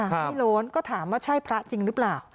พี่โล้นก็ถามว่าใช่พระจริงหรือเปล่า